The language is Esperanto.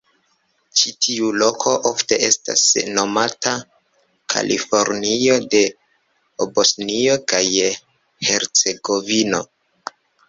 Ĉi tiu loko ofte estas nomata "Kalifornio de Bosnio kaj Hercegovino".